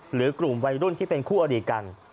หรือกลุ่มวัยรุ่นที่เป็นคู่อดีตกัน